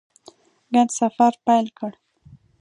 ګډ سفر پیل کړ.